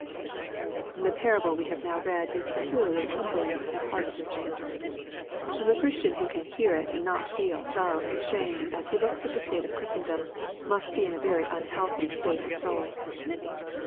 The jDarable we have now read is peculiarly humlJing and heart searching. The Christian who can hear it LUKE, CHAP. XIII. 113 and not feel sorrow and shame as he looks at the state of Christendom, must be in a very unhealthy state of soul.